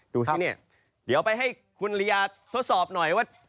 ดูสิเนี่ยเดี๋ยวไปให้คุณริยาทดสอบหน่อยว่า